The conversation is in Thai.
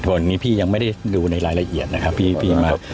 วันนี้พี่ยังไม่ได้ดูในรายละเอียดนะครับพี่มา